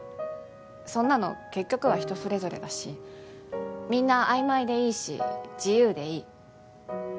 そんなの結局は人それぞれだしみんな曖昧でいいし自由でいい。